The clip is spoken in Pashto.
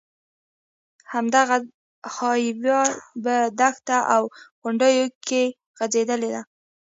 همدغه های وې په دښته او غونډیو کې غځېدلې ده.